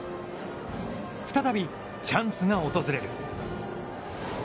再びチャンスが訪れる。